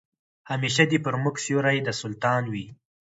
همېشه دي پر موږ سیوری د سلطان وي